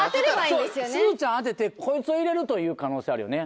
そうすずちゃん当ててこいつを入れるという可能性あるよね